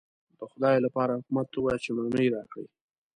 د خدای لپاره حکومت ته ووایاست چې مرمۍ راکړي.